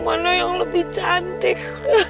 mana yang lebih cantik